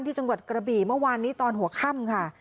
จังหวัดกระบี่เมื่อวานนี้ตอนหัวค่ำค่ะ